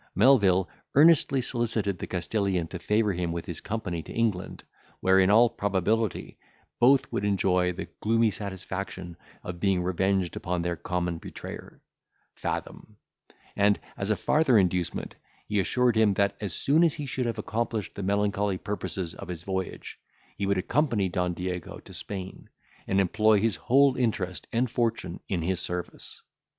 Melvil earnestly solicited the Castilian to favour him with his company to England, where, in all probability, both would enjoy the gloomy satisfaction of being revenged upon their common betrayer, Fathom; and, as a farther inducement, he assured him, that, as soon as he should have accomplished the melancholy purposes of his voyage, he would accompany Don Diego to Spain, and employ his whole interest and fortune in his service.